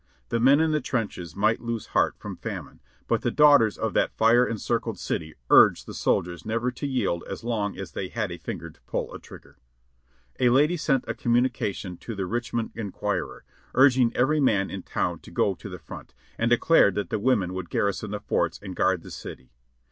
The men in the trenches might lose heart from famine, but the daughters of that fire encircled city urged the soldiers never to yield as long as they had a finger to pull a trigger. A lady sent a communication to the Riclimond Enquirer, urging every man in town to go to the front, and declared that the women would garrison the forts and guard the city.